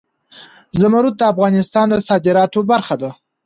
زمرد د افغانستان د صادراتو برخه ده.